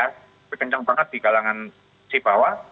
tapi kencang banget di kalangan sibawa